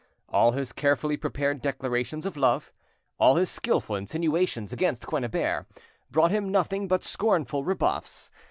All his carefully prepared declarations of love, all his skilful insinuations against Quennebert, brought him nothing but scornful rebuffs.